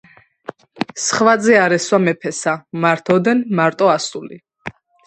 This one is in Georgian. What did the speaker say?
სხვა ძე არ ესვა მეფესა, მართ ოდენ მარტო ასული.